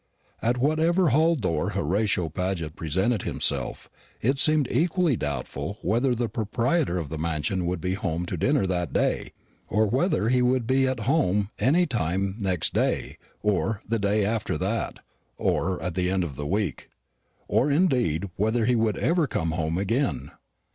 At whatever hall door Horatio Paget presented himself, it seemed equally doubtful whether the proprietor of the mansion would be home to dinner that day, or whether he would be at home any time next day, or the day after that, or at the end of the week, or indeed whether he would ever come home again.